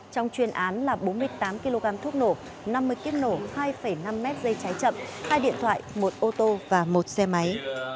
trong chuyên án là bốn mươi tám kg thuốc nổ năm mươi kiếp nổ hai năm m dây trái chậm hai điện thoại một ô tô và một xe máy